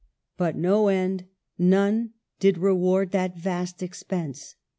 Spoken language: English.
43 But no end, none, did reward that vast ex pense.